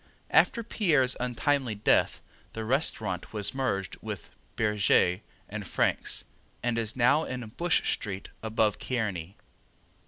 After Pierre's untimely death the restaurant was merged with Bergez and Frank's, and is now in Bush street above Kearny.